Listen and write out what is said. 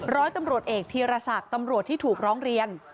ร้อยตำรวจเอกธีรศักดิ์ตำรวจที่ถูกร้องเรียน